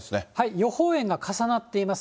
予報円が重なっています。